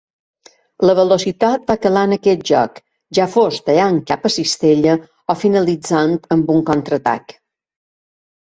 La velocitat va calar en aquest joc, ja fos tallant cap a cistella o finalitzant amb un contraatac.